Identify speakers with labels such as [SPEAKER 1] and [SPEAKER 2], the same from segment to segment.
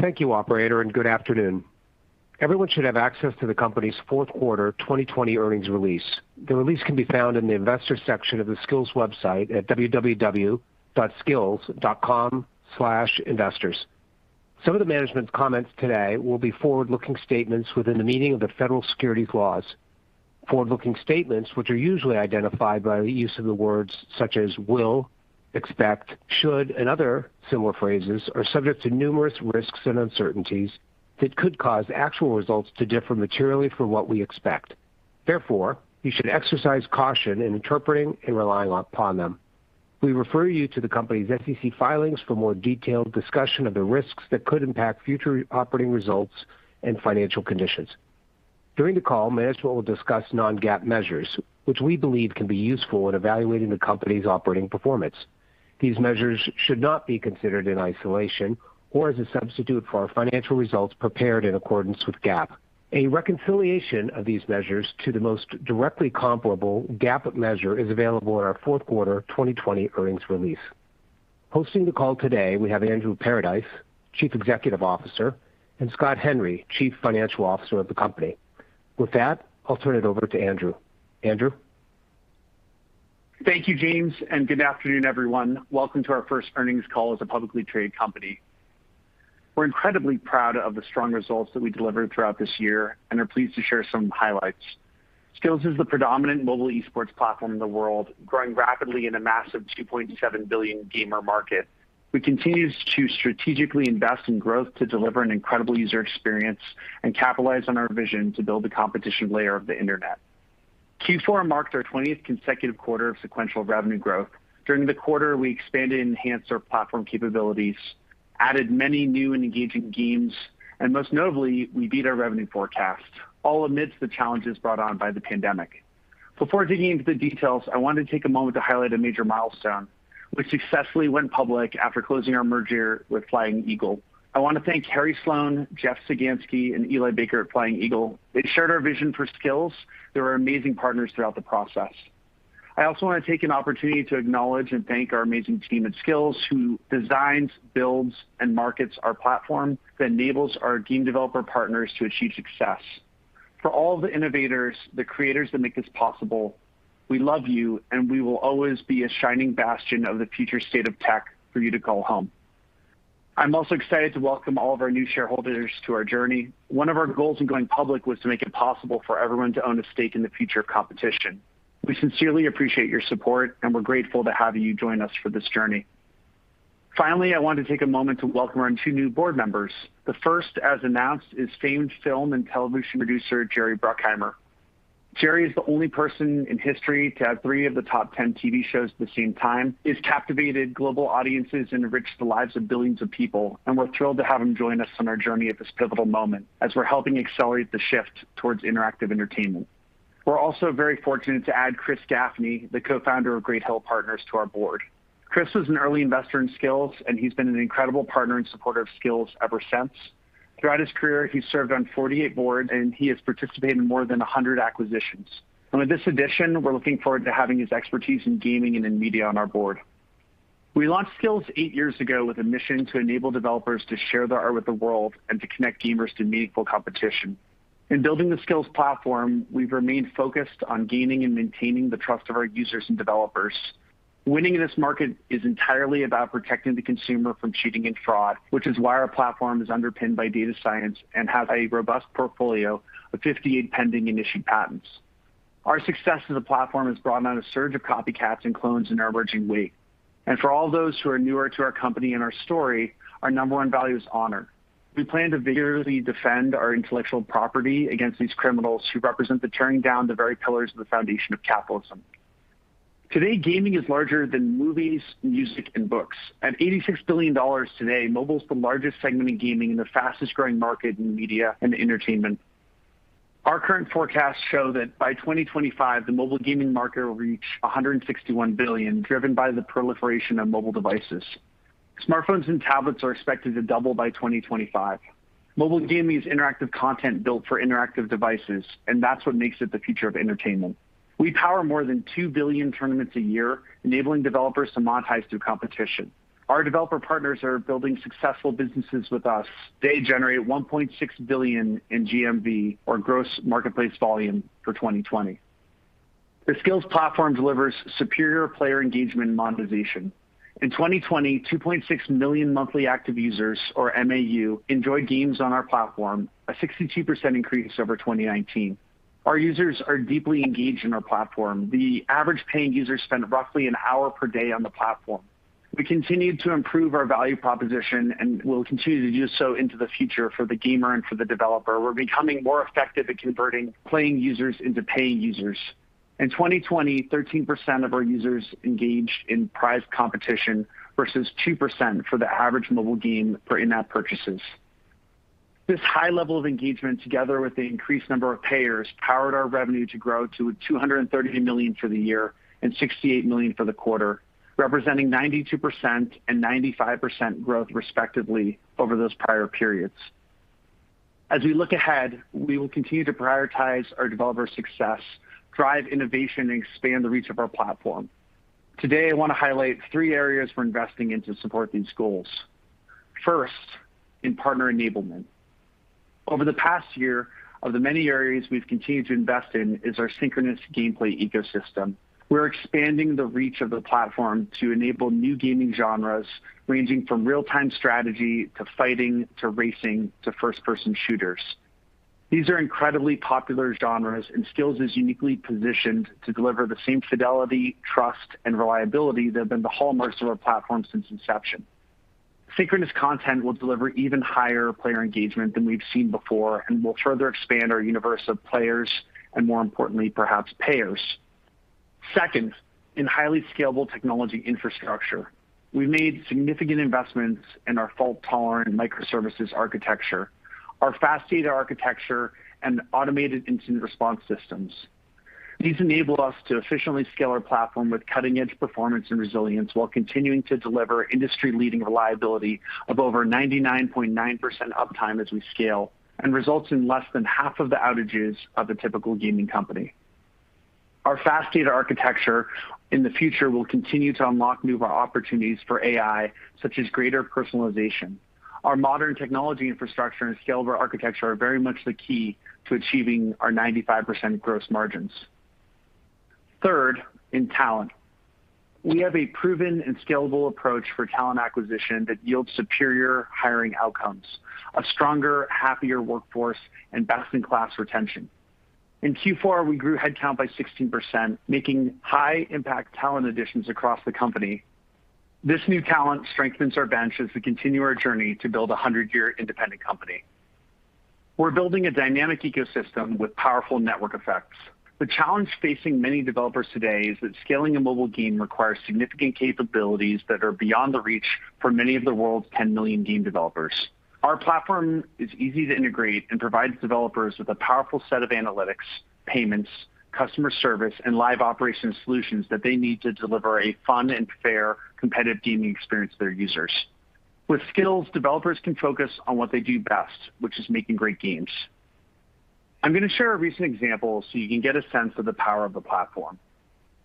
[SPEAKER 1] Thank you, operator, and good afternoon. Everyone should have access to the company's fourth quarter 2020 earnings release. The release can be found in the investor section of the Skillz website at www.skillz.com/investors. Some of the management's comments today will be forward-looking statements within the meaning of the federal securities laws. Forward-looking statements, which are usually identified by the use of the words such as will, expect, should, and other similar phrases, are subject to numerous risks and uncertainties that could cause actual results to differ materially from what we expect. Therefore, you should exercise caution in interpreting and relying upon them. We refer you to the company's SEC filings for more detailed discussion of the risks that could impact future operating results and financial conditions. During the call, management will discuss non-GAAP measures, which we believe can be useful in evaluating the company's operating performance. These measures should not be considered in isolation or as a substitute for our financial results prepared in accordance with GAAP. A reconciliation of these measures to the most directly comparable GAAP measure is available in our fourth quarter 2020 earnings release. Hosting the call today, we have Andrew Paradise, Chief Executive Officer, and Scott Henry, Chief Financial Officer of the company. With that, I'll turn it over to Andrew. Andrew?
[SPEAKER 2] Thank you, James, and good afternoon, everyone. Welcome to our first earnings call as a publicly traded company. We're incredibly proud of the strong results that we delivered throughout this year and are pleased to share some highlights. Skillz is the predominant mobile esports platform in the world, growing rapidly in a massive $2.7 billion gamer market. We continue to strategically invest in growth to deliver an incredible user experience and capitalize on our vision to build the competition layer of the internet. Q4 marked our 20th consecutive quarter of sequential revenue growth. During the quarter, we expanded and enhanced our platform capabilities, added many new and engaging games, and most notably, we beat our revenue forecast, all amidst the challenges brought on by the pandemic. Before digging into the details, I want to take a moment to highlight a major milestone. We successfully went public after closing our merger with Flying Eagle. I want to thank Harry Sloan, Jeff Sagansky, and Eli Baker at Flying Eagle. They shared our vision for Skillz. They were amazing partners throughout the process. I also want to take an opportunity to acknowledge and thank our amazing team at Skillz who designs, builds, and markets our platform that enables our game developer partners to achieve success. For all the innovators, the creators that make this possible, we love you, and we will always be a shining bastion of the future state of tech for you to call home. I'm also excited to welcome all of our new shareholders to our journey. One of our goals in going public was to make it possible for everyone to own a stake in the future of competition. We sincerely appreciate your support, and we're grateful to have you join us for this journey. Finally, I want to take a moment to welcome our two new board members. The first, as announced, is famed film and television producer Jerry Bruckheimer. Jerry is the only person in history to have three of the top 10 TV shows at the same time. He has captivated global audiences and enriched the lives of billions of people, and we're thrilled to have him join us on our journey at this pivotal moment as we're helping accelerate the shift towards interactive entertainment. We're also very fortunate to add Chris Gaffney, the Co-Founder of Great Hill Partners, to our board. Chris was an early investor in Skillz, and he's been an incredible partner and supporter of Skillz ever since. Throughout his career, he served on 48 boards. He has participated in more than 100 acquisitions. With this addition, we're looking forward to having his expertise in gaming and in media on our board. We launched Skillz eight years ago with a mission to enable developers to share their art with the world and to connect gamers to meaningful competition. In building the Skillz platform, we've remained focused on gaining and maintaining the trust of our users and developers. Winning in this market is entirely about protecting the consumer from cheating and fraud, which is why our platform is underpinned by data science and has a robust portfolio of 58 pending and issued patents. Our success as a platform has brought on a surge of copycats and clones in our emerging wake. For all those who are newer to our company and our story, our number one value is honor. We plan to vigorously defend our intellectual property against these criminals who represent the tearing down of the very pillars of the foundation of capitalism. Today, gaming is larger than movies, music, and books. At $86 billion today, mobile is the largest segment in gaming and the fastest-growing market in media and entertainment. Our current forecasts show that by 2025, the mobile gaming market will reach $161 billion, driven by the proliferation of mobile devices. Smartphones and tablets are expected to double by 2025. Mobile gaming is interactive content built for interactive devices, and that's what makes it the future of entertainment. We power more than 2 billion tournaments a year, enabling developers to monetize through competition. Our developer partners are building successful businesses with us. They generated $1.6 billion in GMV, or gross marketplace volume, for 2020. The Skillz platform delivers superior player engagement and monetization. In 2020, 2.6 million monthly active users, or MAU, enjoyed games on our platform, a 62% increase over 2019. Our users are deeply engaged in our platform. The average paying user spent roughly an hour per day on the platform. We continue to improve our value proposition, and we'll continue to do so into the future for the gamer and for the developer. We're becoming more effective at converting playing users into paying users. In 2020, 13% of our users engaged in prize competition versus 2% for the average mobile game for in-app purchases. This high level of engagement, together with the increased number of payers, powered our revenue to grow to $230 million for the year and $68 million for the quarter, representing 92% and 95% growth, respectively, over those prior periods. As we look ahead, we will continue to prioritize our developers' success, drive innovation, and expand the reach of our platform. Today, I want to highlight three areas we're investing in to support these goals. First, in partner enablement. Over the past year, of the many areas we've continued to invest in, is our synchronous gameplay ecosystem. We're expanding the reach of the platform to enable new gaming genres, ranging from real-time strategy to fighting, to racing, to first-person shooters. These are incredibly popular genres, and Skillz is uniquely positioned to deliver the same fidelity, trust, and reliability that have been the hallmarks of our platform since inception. Synchronous content will deliver even higher player engagement than we've seen before and will further expand our universe of players and more importantly, perhaps payers. Second, in highly scalable technology infrastructure. We made significant investments in our fault-tolerant microservices architecture, our fast data architecture, and automated incident response systems. These enable us to efficiently scale our platform with cutting-edge performance and resilience while continuing to deliver industry-leading reliability of over 99.9% uptime as we scale, and results in less than half of the outages of the typical gaming company. Our fast data architecture in the future will continue to unlock new opportunities for AI, such as greater personalization. Our modern technology infrastructure and scalable architecture are very much the key to achieving our 95% gross margins. Third, in talent. We have a proven and scalable approach for talent acquisition that yields superior hiring outcomes, a stronger, happier workforce, and best-in-class retention. In Q4, we grew headcount by 16%, making high-impact talent additions across the company. This new talent strengthens our bench as we continue our journey to build a 100-year independent company. We're building a dynamic ecosystem with powerful network effects. The challenge facing many developers today is that scaling a mobile game requires significant capabilities that are beyond the reach for many of the world's 10 million game developers. Our platform is easy to integrate and provides developers with a powerful set of analytics, payments, customer service, and live operations solutions that they need to deliver a fun and fair competitive gaming experience to their users. With Skillz, developers can focus on what they do best, which is making great games. I'm going to share a recent example so you can get a sense of the power of the platform.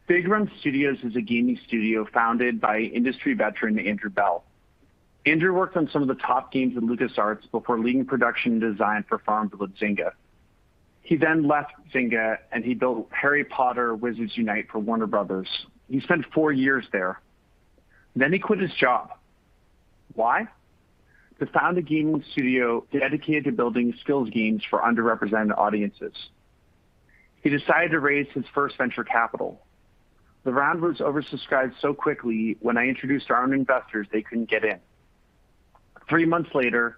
[SPEAKER 2] Big Run Studios is a gaming studio founded by industry veteran Andrew Bell. Andrew worked on some of the top games at LucasArts before leading production design for FarmVille at Zynga. He left Zynga, and he built Harry Potter: Wizards Unite for Warner Bros. He spent four years there. He quit his job. Why? To found a gaming studio dedicated to building Skillz games for underrepresented audiences. He decided to raise his first venture capital. The round was oversubscribed so quickly, when I introduced our investors, they couldn't get in. Three months later,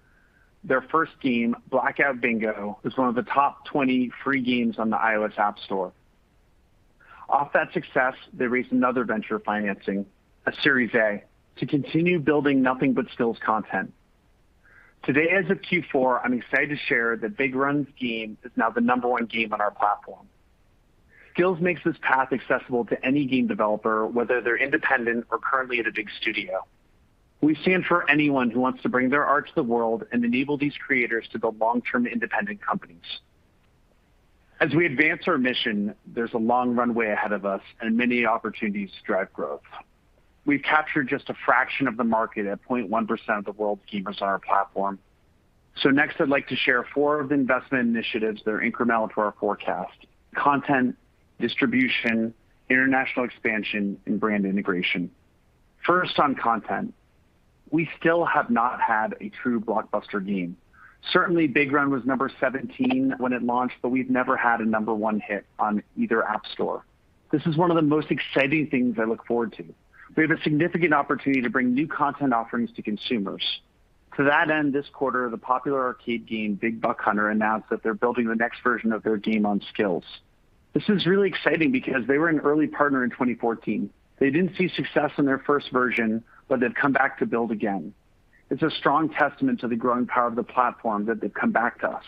[SPEAKER 2] their first game, Blackout Bingo, was one of the top 20 free games on the iOS App Store. Off that success, they raised another venture financing, a Series A, to continue building nothing but Skillz content. Today, as of Q4, I'm excited to share that Big Run's game is now the number one game on our platform. Skillz makes this path accessible to any game developer, whether they're independent or currently at a big studio. We stand for anyone who wants to bring their art to the world and enable these creators to build long-term independent companies. As we advance our mission, there's a long runway ahead of us and many opportunities to drive growth. We've captured just a fraction of the market at 0.1% of the world's gamers on our platform. Next, I'd like to share four of the investment initiatives that are incremental to our forecast: content, distribution, international expansion, and brand integration. First, on content, we still have not had a true blockbuster game. Certainly, Big Run was number 17 when it launched, we've never had a number one hit on either App Store. This is one of the most exciting things I look forward to. We have a significant opportunity to bring new content offerings to consumers. To that end, this quarter, the popular arcade game, Big Buck Hunter, announced that they're building the next version of their game on Skillz. This is really exciting because they were an early partner in 2014. They didn't see success in their first version, they've come back to build again. It's a strong testament to the growing power of the platform that they've come back to us,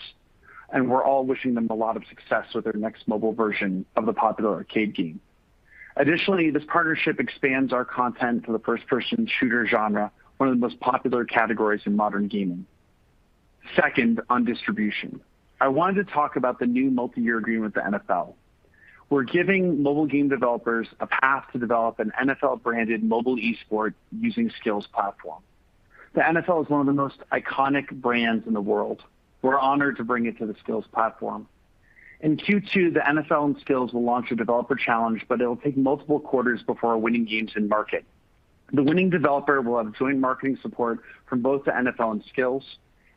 [SPEAKER 2] we're all wishing them a lot of success with their next mobile version of the popular arcade game. Additionally, this partnership expands our content to the first-person shooter genre, one of the most popular categories in modern gaming. Second, on distribution. I wanted to talk about the new multi-year agreement with the NFL. We're giving mobile game developers a path to develop an NFL-branded mobile esport using Skillz platform. The NFL is one of the most iconic brands in the world. We're honored to bring it to the Skillz platform. In Q2, the NFL and Skillz will launch a developer challenge, but it'll take multiple quarters before winning games in-market. The winning developer will have joint marketing support from both the NFL and Skillz,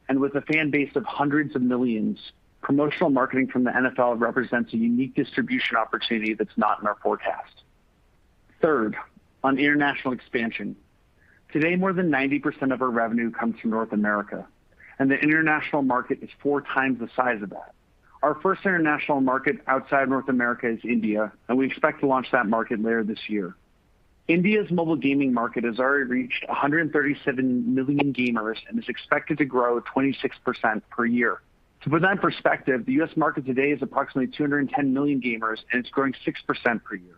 [SPEAKER 2] and with a fan base of hundreds of millions, promotional marketing from the NFL represents a unique distribution opportunity that's not in our forecast. Third, on international expansion. Today, more than 90% of our revenue comes from North America, and the international market is four times the size of that. Our first international market outside North America is India, and we expect to launch that market later this year. India's mobile gaming market has already reached 137 million gamers and is expected to grow 26% per year. To put that in perspective, the U.S. market today is approximately 210 million gamers, and it's growing 6% per year.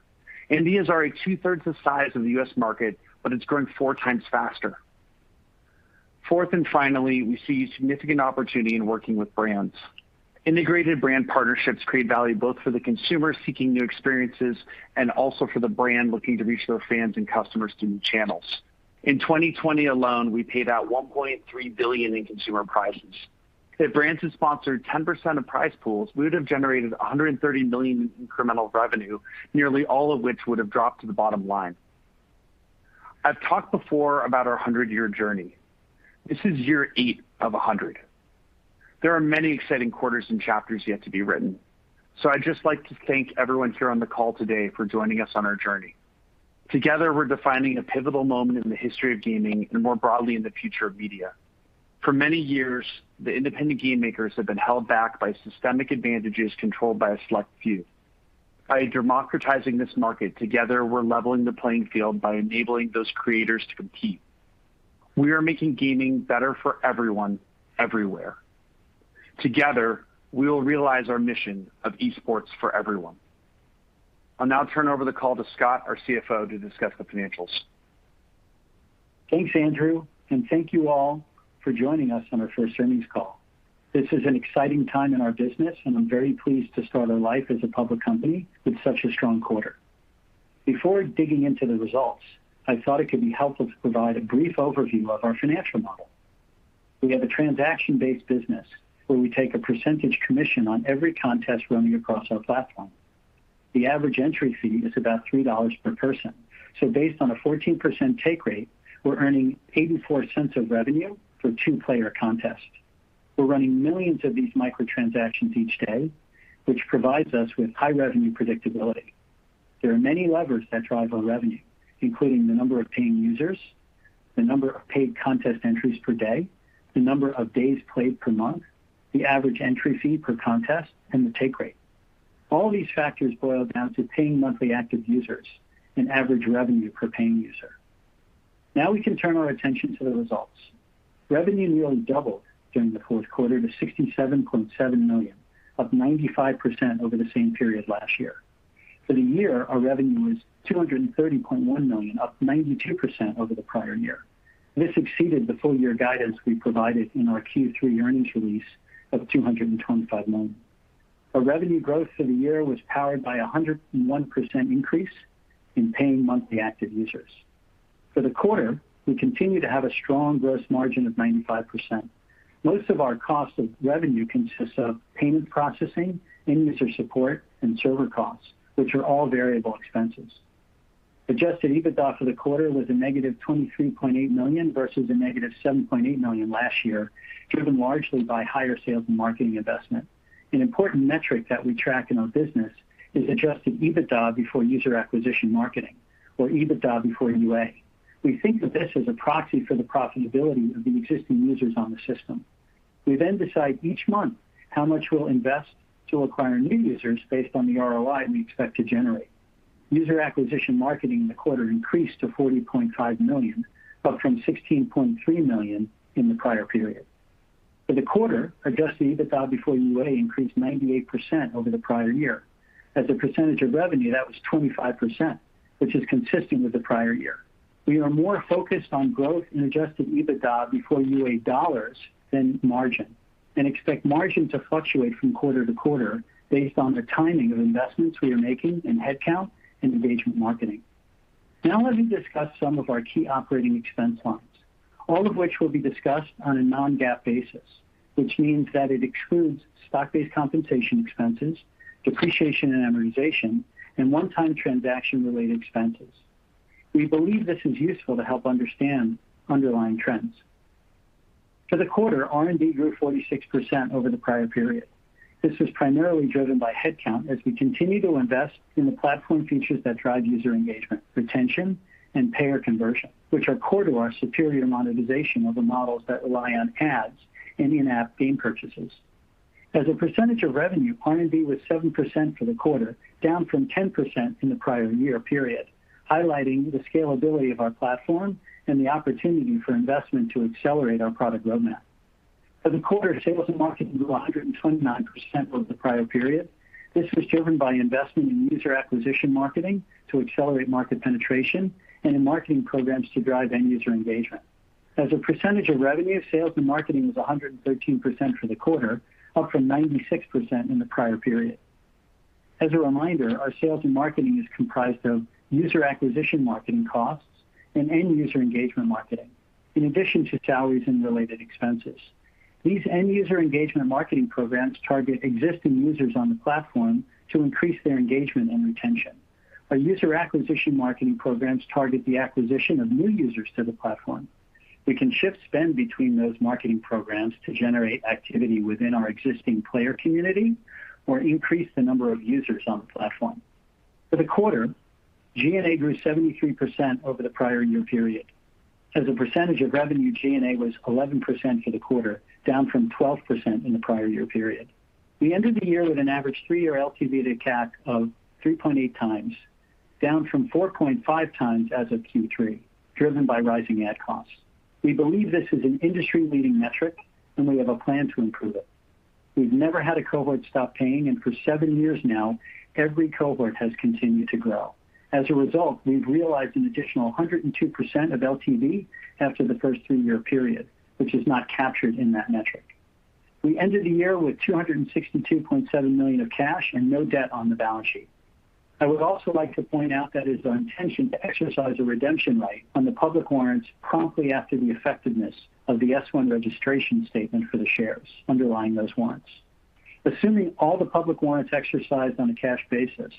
[SPEAKER 2] India is already 2/3 the size of the U.S. market, but it's growing four times faster. Fourth, finally, we see significant opportunity in working with brands. Integrated brand partnerships create value both for the consumer seeking new experiences, and also for the brand looking to reach their fans and customers through new channels. In 2020 alone, we paid out $1.3 billion in consumer prizes. If brands had sponsored 10% of prize pools, we would have generated $130 million in incremental revenue, nearly all of which would have dropped to the bottom line. I've talked before about our 100-year journey. This is year 8 of 100. There are many exciting quarters and chapters yet to be written. I'd just like to thank everyone here on the call today for joining us on our journey. Together, we're defining a pivotal moment in the history of gaming, and more broadly, in the future of media. For many years, the independent game makers have been held back by systemic advantages controlled by a select few. By democratizing this market, together we're leveling the playing field by enabling those creators to compete. We are making gaming better for everyone, everywhere. Together, we will realize our mission of esports for everyone. I'll now turn over the call to Scott, our CFO, to discuss the financials.
[SPEAKER 3] Thanks, Andrew. Thank you all for joining us on our first earnings call. This is an exciting time in our business, and I'm very pleased to start our life as a public company with such a strong quarter. Before digging into the results, I thought it could be helpful to provide a brief overview of our financial model. We have a transaction-based business where we take a percentage commission on every contest running across our platform. The average entry fee is about $3 per person. Based on a 14% take rate, we're earning $0.84 of revenue for a two-player contest. We're running millions of these micro-transactions each day, which provides us with high-revenue predictability. There are many levers that drive our revenue, including the number of paying users, the number of paid contest entries per day, the number of days played per month, the average entry fee per contest, and the take rate. All these factors boil down to paying monthly active users and average revenue per paying user. Now we can turn our attention to the results. Revenue nearly doubled during the fourth quarter to $67.7 million, up 95% over the same period last year. For the year, our revenue was $230.1 million, up 92% over the prior year. This exceeded the full year guidance we provided in our Q3 earnings release of $225 million. Our revenue growth for the year was powered by 101% increase in paying monthly active users. For the quarter, we continue to have a strong gross margin of 95%. Most of our cost of revenue consists of payment processing, end user support, and server costs, which are all variable expenses. Adjusted EBITDA for the quarter was a -$23.8 million, versus a -$7.8 million last year, driven largely by higher sales and marketing investment. An important metric that we track in our business is adjusted EBITDA before user acquisition marketing or EBITDA before UA. We think of this as a proxy for the profitability of the existing users on the system. We then decide each month how much we'll invest to acquire new users based on the ROI we expect to generate. User acquisition marketing in the quarter increased to $40.5 million, up from $16.3 million in the prior period. For the quarter, adjusted EBITDA before UA increased 98% over the prior year. As a percentage of revenue, that was 25%, which is consistent with the prior year. We are more focused on growth in adjusted EBITDA before UA dollars than margin, and expect margin to fluctuate from quarter-to-quarter based on the timing of investments we are making in headcount and engagement marketing. Now let me discuss some of our key operating expense lines, all of which will be discussed on a non-GAAP basis, which means that it excludes stock-based compensation expenses, depreciation and amortization, and one-time transaction-related expenses. We believe this is useful to help understand underlying trends. For the quarter, R&D grew 46% over the prior period. This was primarily driven by headcount as we continue to invest in the platform features that drive user engagement, retention, and payer conversion, which are core to our superior monetization of the models that rely on ads and in-app game purchases. As a percentage of revenue, R&D was 7% for the quarter, down from 10% in the prior year period, highlighting the scalability of our platform and the opportunity for investment to accelerate our product roadmap. For the quarter, sales and marketing grew 129% over the prior period. This was driven by investment in user acquisition marketing to accelerate market penetration and in marketing programs to drive end-user engagement. As a percentage of revenue, sales and marketing was 113% for the quarter, up from 96% in the prior period. As a reminder, our sales and marketing is comprised of user acquisition marketing costs and end-user engagement marketing, in addition to salaries and related expenses. These end-user engagement marketing programs target existing users on the platform to increase their engagement and retention, while user acquisition marketing programs target the acquisition of new users to the platform. We can shift spend between those marketing programs to generate activity within our existing player community or increase the number of users on the platform. For the quarter, G&A grew 73% over the prior year period. As a percentage of revenue, G&A was 11% for the quarter, down from 12% in the prior year period. We entered the year with an average three-year LTV to CAC of 3.8x, down from 4.5x as of Q3, driven by rising ad costs. We believe this is an industry-leading metric, and we have a plan to improve it. We've never had a cohort stop paying, and for seven years now, every cohort has continued to grow. As a result, we've realized an additional 102% of LTV after the first three-year period, which is not captured in that metric. We ended the year with $262.7 million of cash and no debt on the balance sheet. I would also like to point out that it is our intention to exercise a redemption right on the public warrants promptly after the effectiveness of the S-1 Registration Statement for the shares underlying those warrants. Assuming all the public warrants exercised on a cash basis,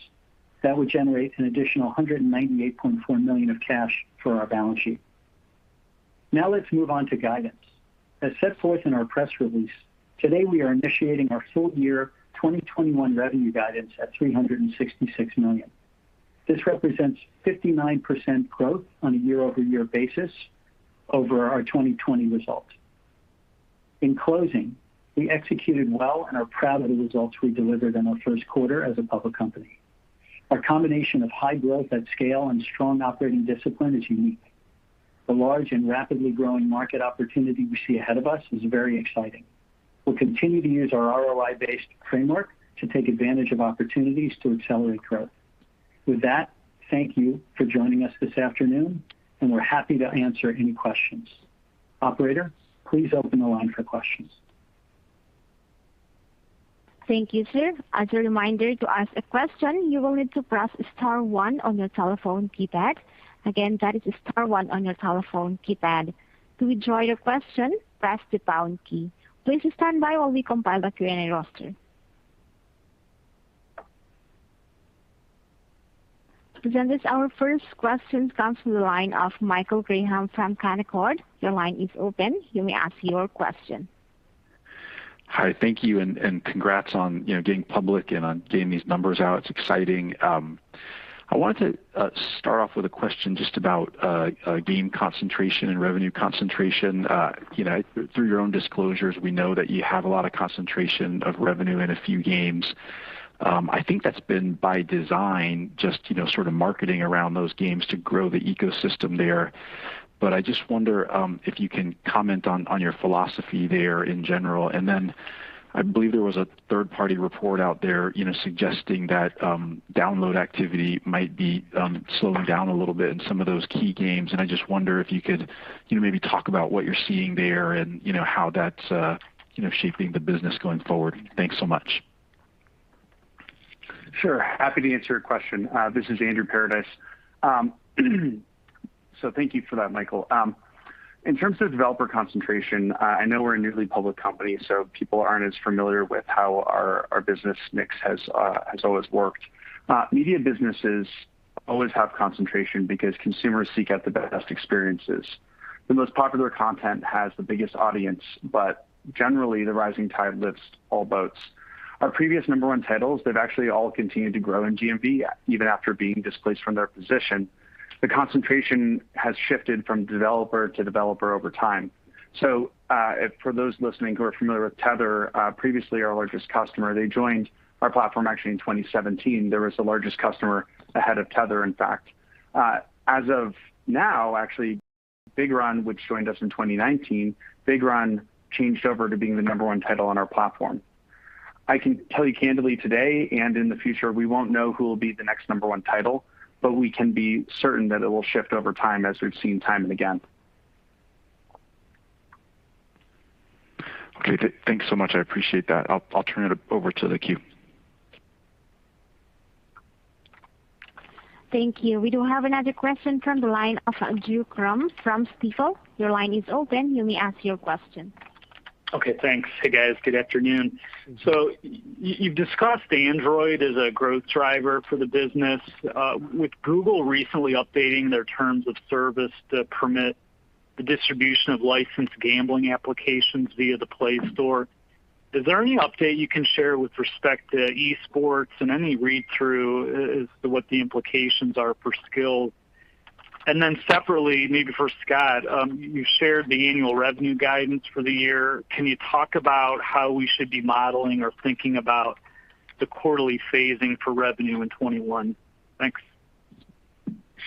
[SPEAKER 3] that would generate an additional $198.4 million of cash for our balance sheet. Now let's move on to guidance. As set forth in our press release, today we are initiating our full year 2021 revenue guidance at $366 million. This represents 59% growth on a year-over-year basis over our 2020 results. In closing, we executed well and are proud of the results we delivered in our first quarter as a public company. Our combination of high growth at scale and strong operating discipline is unique. The large and rapidly growing market opportunity we see ahead of us is very exciting. We'll continue to use our ROI-based framework to take advantage of opportunities to accelerate growth. With that, thank you for joining us this afternoon, and we're happy to answer any questions. Operator, please open the line for questions.
[SPEAKER 4] Thank you, sir. As a reminder, to ask a question, you will need to press star one on your telephone keypad. Again, that is star one on your telephone keypad. To withdraw your question, press the pound key. Please standby while we compile the Q&A roster. Presenters, our first question comes from the line of Michael Graham from Canaccord. Your line is open. You may ask your question.
[SPEAKER 5] Hi. Thank you, and congrats on getting public and on getting these numbers out. It's exciting. I wanted to start off with a question just about game concentration and revenue concentration. Through your own disclosures, we know that you have a lot of concentration of revenue in a few games. I think that's been by design, just sort of marketing around those games to grow the ecosystem there. I just wonder if you can comment on your philosophy there in general. I believe there was a third-party report out there suggesting that download activity might be slowing down a little bit in some of those key games, and I just wonder if you could maybe talk about what you're seeing there and how that's shaping the business going forward. Thanks so much.
[SPEAKER 2] Sure. Happy to answer your question. This is Andrew Paradise. Thank you for that, Michael. In terms of developer concentration, I know we're a newly public company, people aren't as familiar with how our business mix has always worked. Media businesses always have concentration because consumers seek out the best experiences. The most popular content has the biggest audience, generally, the rising tide lifts all boats. Our previous number one titles, they've actually all continued to grow in GMV, even after being displaced from their position. The concentration has shifted from developer to developer over time. For those listening who are familiar with Tether, previously our largest customer, they joined our platform actually in 2017. There was the largest customer ahead of Tether, in fact. As of now, actually, Big Run, which joined us in 2019, Big Run changed over to being the number 1 title on our platform. I can tell you candidly today and in the future, we won't know who will be the next number 1 title, but we can be certain that it will shift over time as we've seen time and again.
[SPEAKER 5] Okay. Thanks so much. I appreciate that. I'll turn it over to the queue.
[SPEAKER 4] Thank you. We do have another question from the line of Drew Crum from Stifel. Your line is open. You may ask your question.
[SPEAKER 6] Okay. Thanks. Hey, guys. Good afternoon. You've discussed Android as a growth driver for the business. With Google recently updating their terms of service to permit the distribution of licensed gambling applications via the Play Store, is there any update you can share with respect to esports and any read-through as to what the implications are for Skillz? Separately, maybe for Scott, you shared the annual revenue guidance for the year. Can you talk about how we should be modeling or thinking about the quarterly phasing for revenue in 2021? Thanks.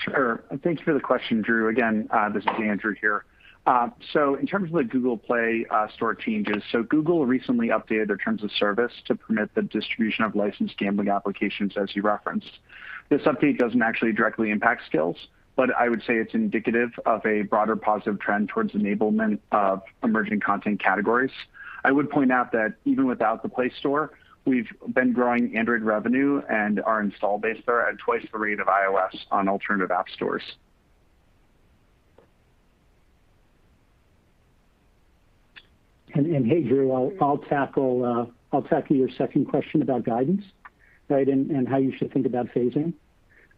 [SPEAKER 2] Sure. Thanks for the question, Drew. Again, this is Andrew here. In terms of the Google Play Store changes, Google recently updated their terms of service to permit the distribution of licensed gambling applications, as you referenced. This update doesn't actually directly impact Skillz, but I would say it's indicative of a broader positive trend towards enablement of emerging content categories. I would point out that even without the Play Store, we've been growing Android revenue and our install base there at twice the rate of iOS on alternative app stores.
[SPEAKER 3] Hey, Drew, I'll tackle your second question about guidance, right, and how you should think about phasing.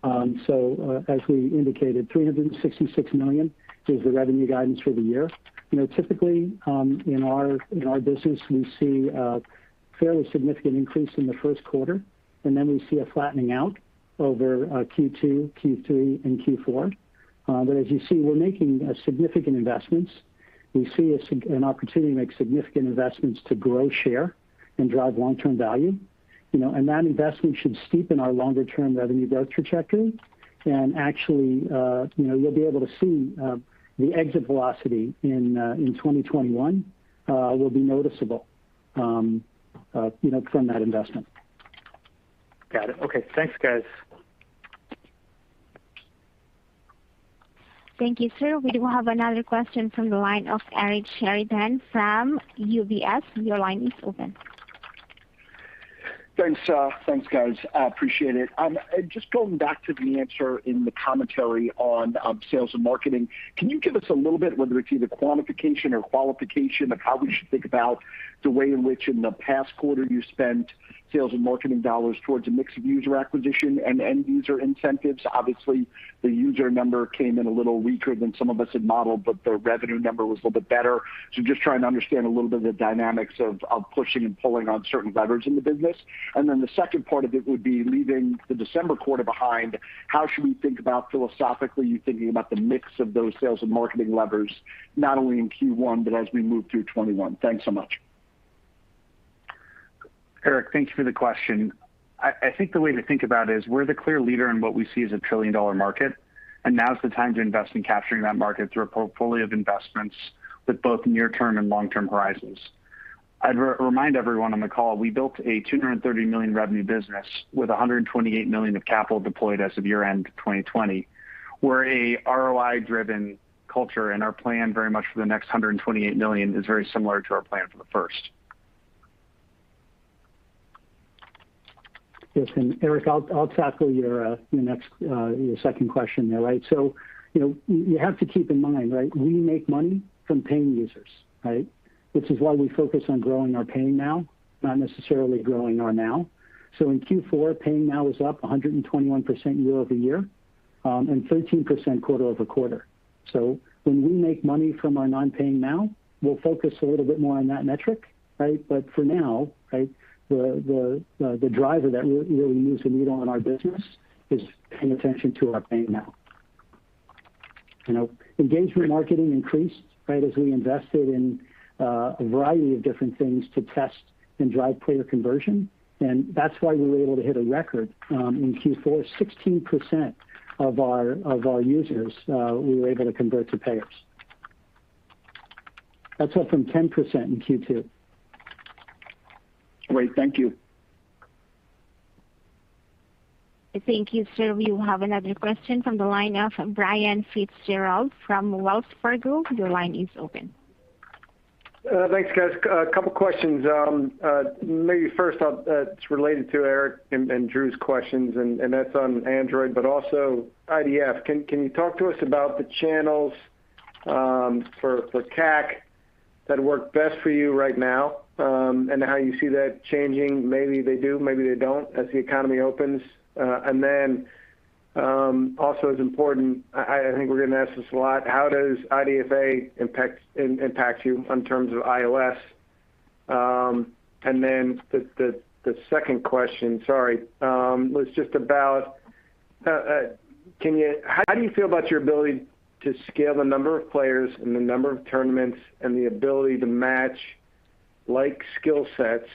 [SPEAKER 3] As we indicated, $366 million is the revenue guidance for the year. Typically, in our business, we see a fairly significant increase in the first quarter, and then we see a flattening out over Q2, Q3, and Q4. As you see, we're making significant investments. We see an opportunity to make significant investments to grow share and drive long-term value. That investment should steepen our longer-term revenue growth trajectory. Actually, you'll be able to see the exit velocity in 2021 will be noticeable from that investment.
[SPEAKER 6] Got it. Okay. Thanks, guys.
[SPEAKER 4] Thank you, sir. We do have another question from the line of Eric Sheridan from UBS. Your line is open.
[SPEAKER 7] Thanks. Thanks, guys. I appreciate it. Just going back to the answer in the commentary on sales and marketing, can you give us a little bit, whether it's either quantification or qualification, of how we should think about the way in which in the past quarter you spent sales and marketing dollars towards a mix of user acquisition and end-user incentives? Obviously, the user number came in a little weaker than some of us had modeled, but the revenue number was a little bit better. Just trying to understand a little bit of the dynamics of pushing and pulling on certain levers in the business. The second part of it would be leaving the December quarter behind, how should we think about philosophically you thinking about the mix of those sales and marketing levers, not only in Q1 but as we move through 2021? Thanks so much.
[SPEAKER 2] Eric, thank you for the question. I think the way to think about it is we're the clear leader in what we see as a trillion-dollar market, and now's the time to invest in capturing that market through a portfolio of investments with both near-term and long-term horizons. I'd remind everyone on the call, we built a $230 million revenue business with $128 million of capital deployed as of year-end 2020. We're a ROI-driven culture, and our plan very much for the next $128 million is very similar to our plan for the first.
[SPEAKER 3] Yes, Eric, I'll tackle your second question there. You have to keep in mind, we make money from paying users. Which is why we focus on growing our paying MAU, not necessarily growing our nAU. In Q4, paying MAU is up 121% year-over-year, and 13% quarter-over-quarter. When we make money from our non-paying MAU, we'll focus a little bit more on that metric. For now, the driver that we really use to measure our business is paying attention to our paying MAU. Engagement marketing increased as we invested in a variety of different things to test and drive player conversion, and that's why we were able to hit a record in Q4. 16% of our users we were able to convert to payers. That's up from 10% in Q2.
[SPEAKER 7] Great. Thank you.
[SPEAKER 4] Thank you, sir. We have another question from the line of Brian Fitzgerald from Wells Fargo. Your line is open.
[SPEAKER 8] Thanks, guys. A couple questions. Maybe first up, it's related to Eric and Drew's questions, and that's on Android, but also IDFA. Can you talk to us about the channels for CAC that work best for you right now? How you see that changing, maybe they do, maybe they don't, as the economy opens. Also it's important, I think we're going to ask this a lot, how does IDFA impact you in terms of iOS? The second question, sorry, was just about how do you feel about your ability to scale the number of players and the number of tournaments and the ability to match like skill sets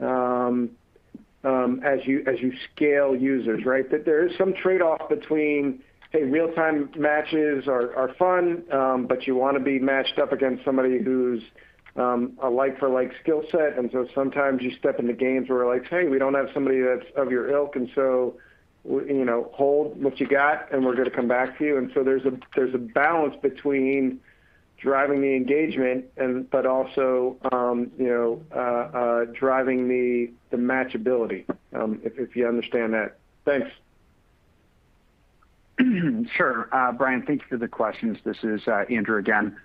[SPEAKER 8] as you scale users, right? That there is some trade-off between, say, real-time matches are fun, but you want to be matched up against somebody who's a like for like skill set. Sometimes you step into games where like, "Hey, we don't have somebody that's of your ilk, and so hold what you got, and we're going to come back to you." There's a balance between driving the engagement but also driving the match ability, if you understand that. Thanks.
[SPEAKER 2] Sure. Brian, thank you for the questions. This is Andrew again.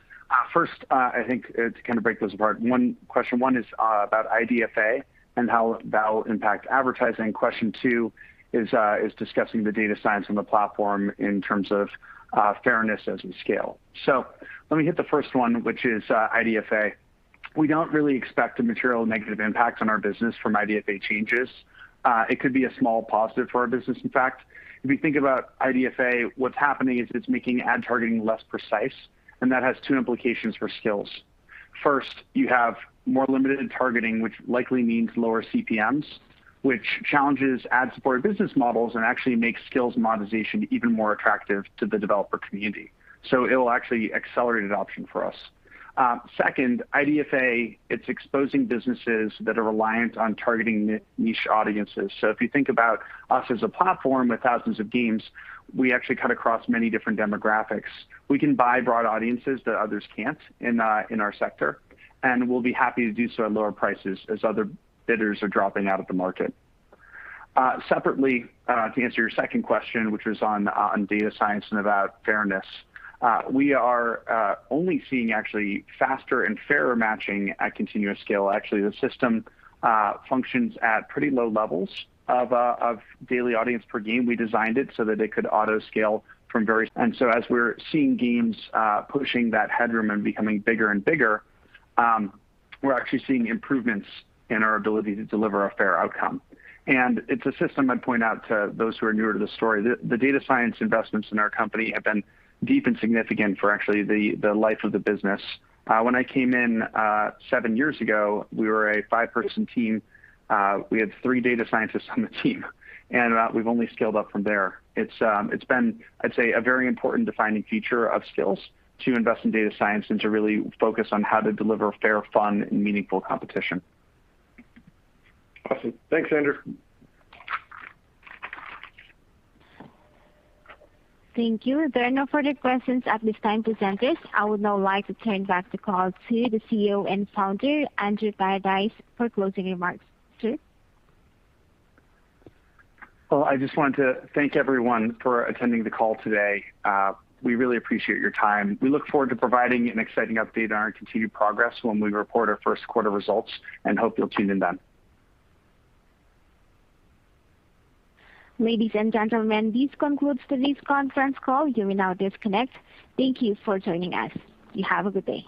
[SPEAKER 2] First, I think to kind of break those apart, question one is about IDFA and how that will impact advertising. Question two is discussing the data science on the platform in terms of fairness as we scale. Let me hit the first one, which is IDFA. We don't really expect a material negative impact on our business from IDFA changes. It could be a small positive for our business, in fact. If you think about IDFA, what's happening is it's making ad targeting less precise, and that has two implications for Skillz. First, you have more limited targeting, which likely means lower CPMs, which challenges ad-supported business models and actually makes Skillz monetization even more attractive to the developer community. It'll actually accelerate adoption for us. IDFA, it's exposing businesses that are reliant on targeting niche audiences. If you think about us as a platform with thousands of games, we actually cut across many different demographics. We can buy broad audiences that others can't in our sector, we'll be happy to do so at lower prices as other bidders are dropping out of the market. Separately, to answer your second question, which was on data science and about fairness. We are only seeing actually faster and fairer matching at continuous scale. The system functions at pretty low levels of daily audience per game. We designed it so that it could auto-scale. As we're seeing games pushing that headroom and becoming bigger and bigger, we're actually seeing improvements in our ability to deliver a fair outcome. It's a system I'd point out to those who are newer to the story. The data science investments in our company have been deep and significant for actually the life of the business. When I came in seven years ago, we were a five-person team. We had three data scientists on the team, and we've only scaled up from there. It's been, I'd say, a very important defining feature of Skillz to invest in data science and to really focus on how to deliver fair, fun, and meaningful competition.
[SPEAKER 8] Awesome. Thanks, Andrew.
[SPEAKER 4] Thank you. There are no further questions at this time, presenters. I would now like to turn back the call to the CEO and Founder, Andrew Paradise, for closing remarks. Sir?
[SPEAKER 2] Well, I just want to thank everyone for attending the call today. We really appreciate your time. We look forward to providing an exciting update on our continued progress when we report our first quarter results, and hope you'll tune in then.
[SPEAKER 4] Ladies and gentlemen, this concludes today's conference call. You may now disconnect. Thank you for joining us. You have a good day.